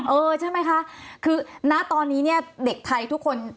เออใช่ไหมคะคือณตอนนี้เนี่ยเด็กไทยทุกคน